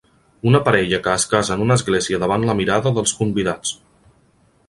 Una parella que es casa en una església davant la mirada dels convidats.